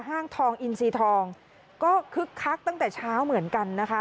ห้างทองอินซีทองก็คึกคักตั้งแต่เช้าเหมือนกันนะคะ